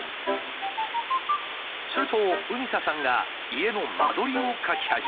するとうにささんが家の間取りを描き始めた。